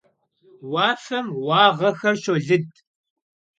Vuafem vağuexer şolıd.